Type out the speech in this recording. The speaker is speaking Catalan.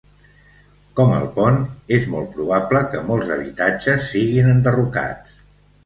Com el pont, és molt probable que molts habitatges siguin enderrocats.